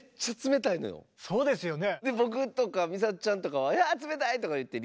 そうですよね。